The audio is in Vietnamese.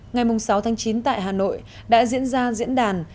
ngày sáu tháng chín tại hà nội đã diễn ra diễn đàn